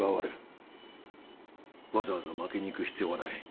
わざわざ負けに行く必要はない。